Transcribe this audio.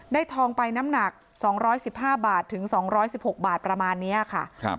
ได้ทองไปน้ำหนักสองร้อยสิบห้าบาทถึงสองร้อยสิบหกบาทประมาณเนี้ยค่ะครับ